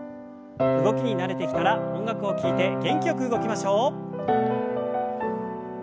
動きに慣れてきたら音楽を聞いて元気よく動きましょう。